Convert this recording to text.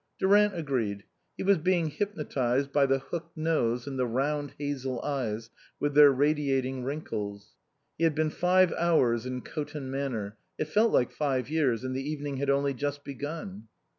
Durant agreed. He was being hypnotised by the hooked nose and the round hazel eyes with their radiating wrinkles. He had been five hours in Coton Manor, it felt like five years, and the evening had only just begun.